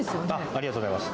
ありがとうございます。